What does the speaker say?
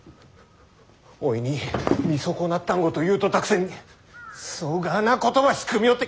おいに「見損なった」んごと言うとったくせにそがぁなことば仕組みおって。